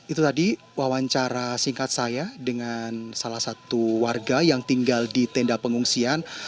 itu tadi wawancara singkat saya dengan salah satu warga yang tinggal di tenda pengungsian